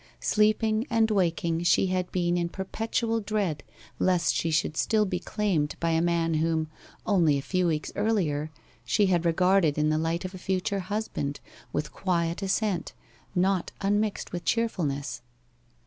Sleeping and waking she had been in perpetual dread lest she should still be claimed by a man whom, only a few weeks earlier, she had regarded in the light of a future husband with quiet assent, not unmixed with cheerfulness.